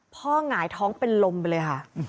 หงายท้องเป็นลมไปเลยค่ะ